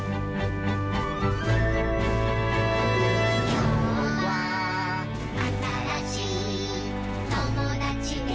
「きょうはあたらしいともだちできるといいね」